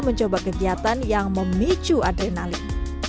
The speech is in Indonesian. mencoba kegiatan yang memicu adrenalin